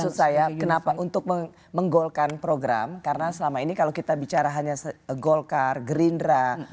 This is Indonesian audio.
tidak tidak maksud saya kenapa untuk menggolkan program karena selama ini kalau kita bicara hanya golkar gerindra pkk pan dan demokrat